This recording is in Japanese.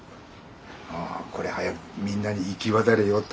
おこれ早くみんなに行き渡れよと。